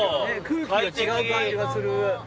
空気が違う感じがする。